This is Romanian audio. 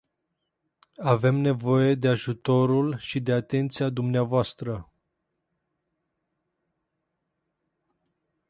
Avem nevoie de ajutorul și de atenția dvs.